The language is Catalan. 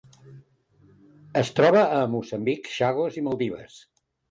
Es troba a Moçambic, Chagos i Maldives.